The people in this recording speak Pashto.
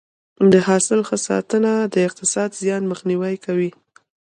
د حاصل ښه ساتنه د اقتصادي زیان مخنیوی کوي.